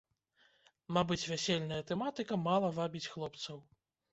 Мабыць, вясельная тэматыка мала вабіць хлопцаў.